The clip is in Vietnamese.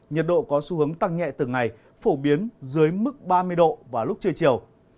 nhiệt độ có xu hướng tăng nhẹ từng ngày phổ biến dưới mức ba mươi độ vào lúc trưa chiều